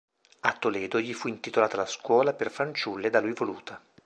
A Toledo gli fu intitolata la scuola per fanciulle da lui voluta.